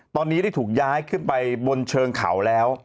ตอนนี้ได้ถูกย้ายขึ้นไปบนเชิงเขาแล้ว